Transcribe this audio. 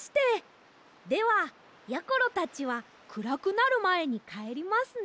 ではやころたちはくらくなるまえにかえりますね。